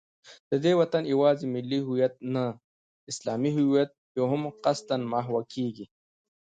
د دې وطن یوازې ملي هویت نه، اسلامي هویت یې هم قصدا محوه کېږي